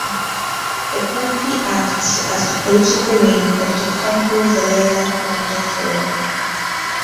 The party acts as the political wing of the Kongu Vellala Gounder Forum.